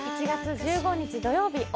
１月１５日土曜日